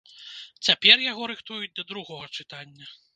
Цяпер яго рыхтуюць да другога чытання.